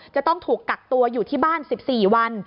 จะต้องถูกกักตัวอยู่ที่บ้าน๑๔วัน